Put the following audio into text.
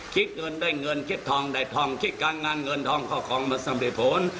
คิดเงินได้เงินคิดทองได้ทองคิดการงานเงินทองเข้าของมันสำเร็จผล